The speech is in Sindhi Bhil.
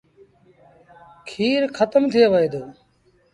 کير کتم ٿئي وهي دو۔